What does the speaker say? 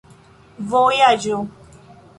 vojaĝo